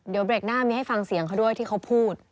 เดี๋ยวเบรกหน้ามีให้ฟังเสียงเขาด้วยที่เขาพูด